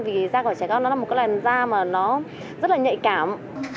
vì da của trẻ con nó là một loại da mà nó rất là nhạy cảm